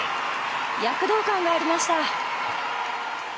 躍動感がありました。